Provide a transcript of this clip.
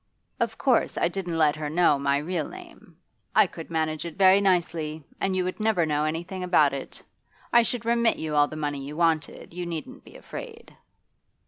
Of course I didn't let her know my real name. I could manage it very nicely, and you would never know anything about it; I should remit you all the money you wanted, you needn't be afraid.